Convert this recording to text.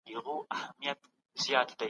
ولې زموږ داخلي صنعت دومره وروسته پاته دی؟